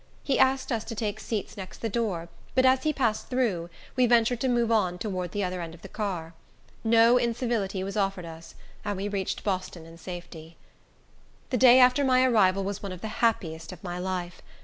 He asked us to take seats next the door, but as he passed through, we ventured to move on toward the other end of the car. No incivility was offered us, and we reached Boston in safety. The day after my arrival was one of the happiest of my life.